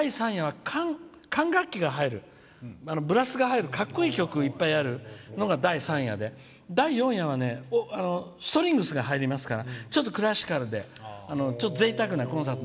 第３夜は管楽器が入るブラスが入るかっこいい曲がいっぱいあるのが第３夜で第４夜はストリングスが入りますからちょっとクラシカルでちょっとぜいたくなコンサート。